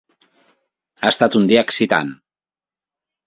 Ha estat un dia excitant.